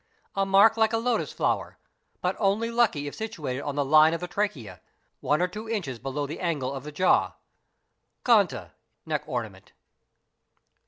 A mark like a lotus flower, but only lucky if situated on the line of the trachea, one or two inches below the angle of the jaw, (khanta=— neck ornament).